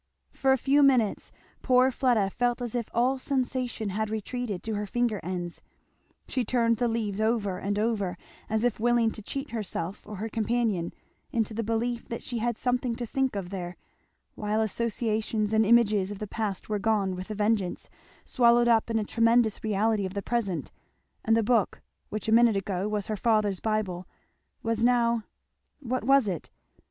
For a few minutes poor Fleda felt as if all sensation had retreated to her finger ends. She turned the leaves over and over, as if willing to cheat herself or her companion into the belief that she had something to think of there, while associations and images of the past were gone with a vengeance, swallowed up in a tremendous reality of the present; and the book, which a minute ago was her father's Bible, was now what was it?